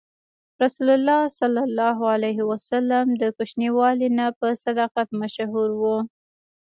رسول الله ﷺ د کوچنیوالي نه په صداقت مشهور و.